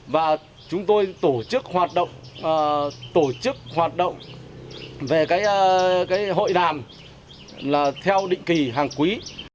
và chúng tôi tổ chức hoạt động về cái hội đàm là theo định kỳ hàng quý